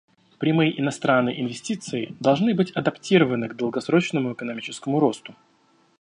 Прямые иностранные инвестиции должны быть адаптированы к долгосрочному экономическому росту.